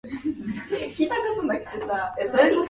He lived in Lausanne.